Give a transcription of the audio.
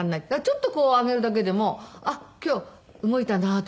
ちょっと上げるだけでもあっ今日動いたなとか。